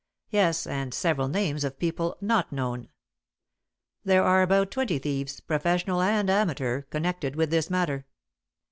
Yes, and several names of people not known. There are about twenty thieves, professional and amateur, connected with this matter.